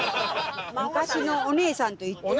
昔のおねえさんと言って。